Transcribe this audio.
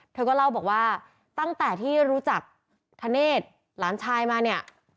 เธอก็เล่าบอกว่าตั้งแต่ที่รู้จักธเนธหลานชายมาเนี่ย